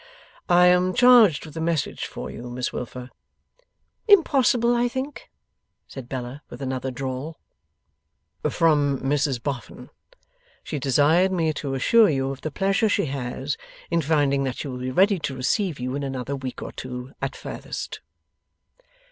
'I am charged with a message for you, Miss Wilfer.' 'Impossible, I think!' said Bella, with another drawl. 'From Mrs Boffin. She desired me to assure you of the pleasure she has in finding that she will be ready to receive you in another week or two at furthest.